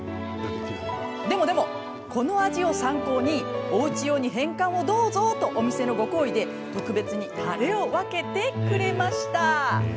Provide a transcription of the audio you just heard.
でも、この味を参考におうち用に変換をどうぞとお店のご厚意で特別にたれを分けてくれました。